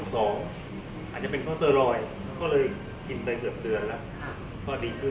อาจจะเป็นเคานเตอร์รอยก็เลยกินไปเกือบเดือนแล้วก็ดีขึ้น